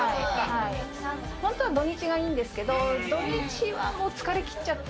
本当は土日がいいんですけど、土日はもう疲れきっちゃって。